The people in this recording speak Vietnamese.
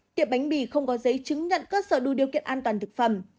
tiệm bánh mì không có giấy chứng nhận cơ sở đủ điều kiện an toàn thực phẩm